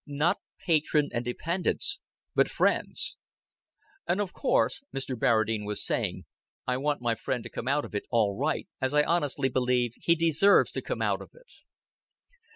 Not patron and dependents, but friends. "And, of course," Mr. Barradine was saying, "I want my friend to come out of it all right as I honestly believe he deserves to come out of it."